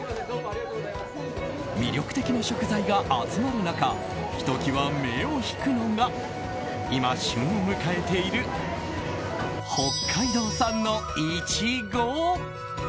魅力的な食材が集まる中ひときわ目を引くのが今、旬を迎えている北海道産のイチゴ。